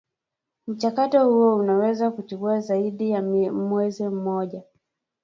mchakato huo unaweza kuchukua zaidi ya mwezi mmoja